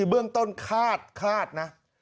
เบื้องต้นคาดคาดนะ